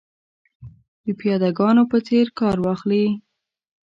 د پیاده ګانو په څېر کار واخلي.